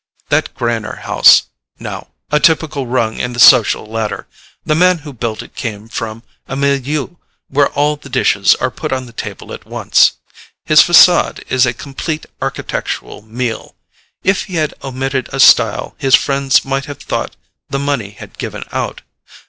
"That Greiner house, now—a typical rung in the social ladder! The man who built it came from a MILIEU where all the dishes are put on the table at once. His facade is a complete architectural meal; if he had omitted a style his friends might have thought the money had given out.